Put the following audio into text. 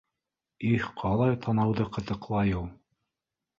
Их, ҡалай танауҙы ҡытыҡлай ул!